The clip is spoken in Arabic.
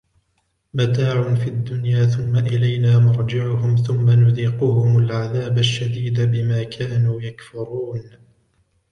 مَتَاعٌ فِي الدُّنْيَا ثُمَّ إِلَيْنَا مَرْجِعُهُمْ ثُمَّ نُذِيقُهُمُ الْعَذَابَ الشَّدِيدَ بِمَا كَانُوا يَكْفُرُونَ